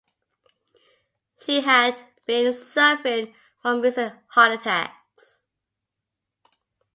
She had been suffering from recent heart attacks.